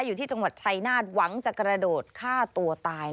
อยู่ที่จังหวัดชัยนาธิ์หวังจะกระโดดฆ่าตัวตาย